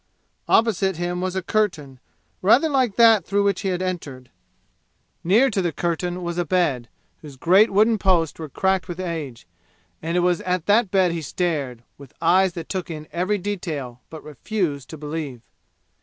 Opposite him was a curtain, rather like that through which he had entered. Near to the curtain was a bed, whose great wooden posts were cracked with age. And it was at the bed he stared, with eyes that took in every detail but refused to believe.